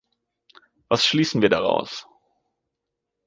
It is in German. Was schließen wir daraus?